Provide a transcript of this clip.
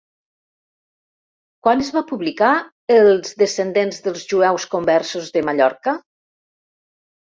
Quan es va publicar Els descendents dels Jueus Conversos de Mallorca?